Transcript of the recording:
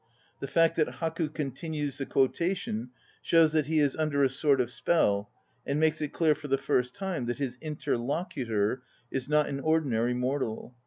The fact that Haku continues the quotation hows that he is under a sort of spell and makes it clear for the first time that his interlocutor is not an ordinary mortal.